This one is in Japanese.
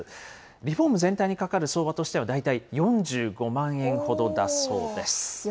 リフォーム全体にかかる相場としては大体４５万円ほどだそうです。